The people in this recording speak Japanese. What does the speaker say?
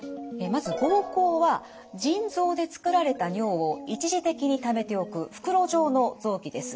まず膀胱は腎臓で作られた尿を一時的にためておく袋状の臓器です。